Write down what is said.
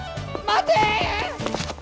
待て！